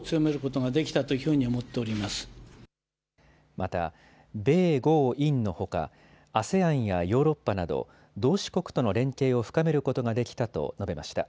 また、米豪印のほか、ＡＳＥＡＮやヨーロッパなど、同志国との連携を深めることができたと述べました。